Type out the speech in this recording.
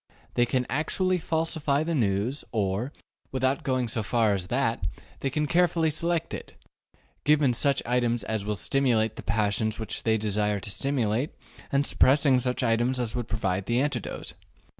They can actually falsify the news, or, without going so far as that, they can carefully select it, giving such items as will stimulate the passions which they desire to stimulate, and suppressing such items as would provide the antidote.